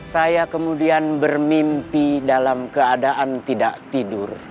saya kemudian bermimpi dalam keadaan tidak tidur